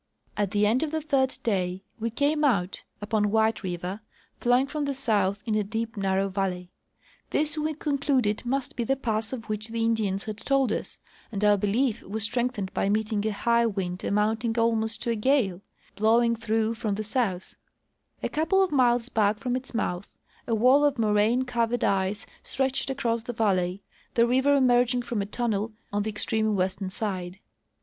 At the end of the third day Ave came out upon 124 C.W. Hayes — Expedition through the Yukon District. White river, flowing from the south in a deep narrow valley. This we conclnclecl must be the pass of which the Indians had told us, and our belief was strengthened by meeting a high wind, amounting almost to a gale, blowing through from the south A couple of miles back from its mouth a wall of moraine covered ice stretched across the valley, the river emerging from a tunnel on the extreme western side.